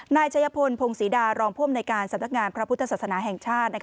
นายชัยพลพงศรีดารองผู้อำนวยการสำนักงานพระพุทธศาสนาแห่งชาติ